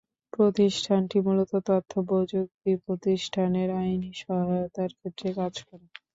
প্রতিষ্ঠানটি মূলত তথ্যপ্রযুক্তি প্রতিষ্ঠানের আইনি সহায়তার ক্ষেত্রে কাজ করে।